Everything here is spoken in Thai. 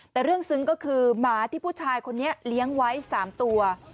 แต่เรื่องซึ้งก็คือหมาที่ผู้ชายคนนี้เลี้ยงไว้๓ตัว